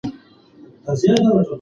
د کڅ پاګوړۍ پۀ سکول کښې يم